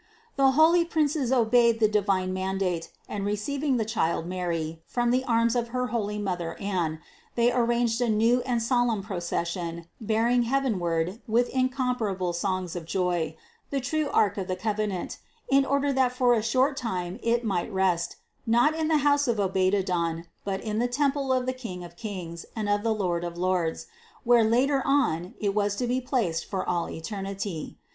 The holy princes obeyed the di vine mandate and receiving the child Mary from the arms of her holy Mother Anne, they arranged a new and sol emn procession bearing heavenward with incomparable songs of joy the true Ark of the covenant, in order that for a short time it might rest, not in the house of Obede don, but in the temple of the King of kings and of the Lord of lords, where later on it was to be placed for all eternity.